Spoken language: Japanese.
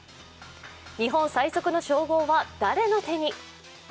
日本最速の称号は誰の手に？